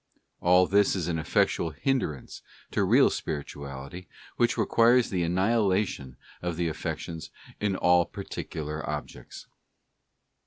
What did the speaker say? All this is an effectual hindrance to real spirituality, which requires the annihilation of the affections in all particular objects.